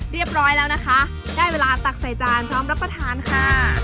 เรียบร้อยแล้วนะคะได้เวลาตักใส่จานพร้อมรับประทานค่ะ